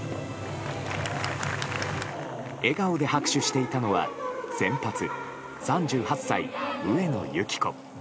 笑顔で拍手していたのは先発３８歳、上野由岐子。